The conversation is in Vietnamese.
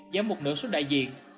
giảm một nửa số đại diện